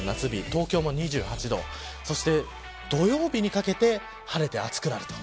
東京も２８度そして土曜日にかけて晴れて暑くなると。